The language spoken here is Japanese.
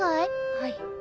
はい。